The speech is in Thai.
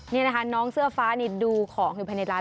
นี่นะคะน้องเสื้อฟ้านี่ดูของอยู่ภายในร้าน